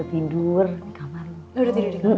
udah tidur di kamar